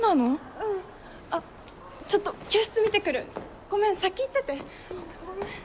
うんあっちょっと教室見てくるごめん先行っててごめん